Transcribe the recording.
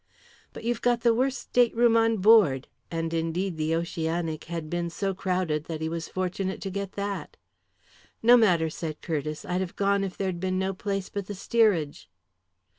"But you've got the worst stateroom on board," and indeed the Oceanic had been so crowded that he was fortunate to get that. "No matter," said Curtiss. "I'd have gone if there'd been no place but the steerage."